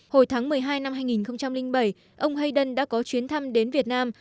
hồi tháng một mươi hai năm hai nghìn bảy ông hayden đã có chuyến thăm đến việt nam